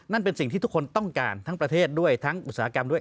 นั่นเป็นสิ่งที่ทุกคนต้องการทั้งประเทศด้วยทั้งอุตสาหกรรมด้วย